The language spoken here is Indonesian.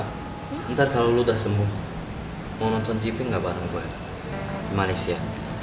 reva ntar kalau lo udah sembuh mau nonton tv gak bareng gue di malaysia